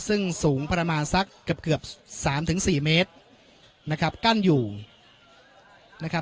ซึ่งสูงประมาณสักเกือบเกือบสามถึงสี่เมตรนะครับกั้นอยู่นะครับ